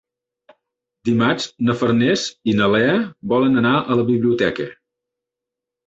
Dimarts na Farners i na Lea volen anar a la biblioteca.